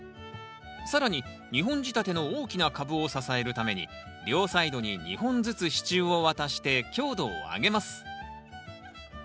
更に２本仕立ての大きな株を支えるために両サイドに２本ずつ支柱を渡して強度を上げます。